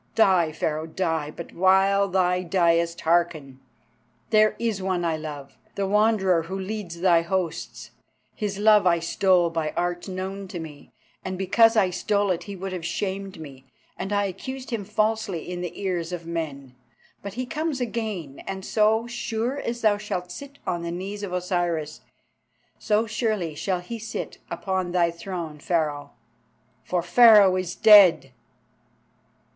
Die, Pharaoh, die! But while thy diest, hearken. There is one I love, the Wanderer who leads thy hosts. His love I stole by arts known to me, and because I stole it he would have shamed me, and I accused him falsely in the ears of men. But he comes again, and, so sure as thou shalt sit on the knees of Osiris, so surely shall he sit upon thy throne, Pharaoh. For Pharaoh is dead!"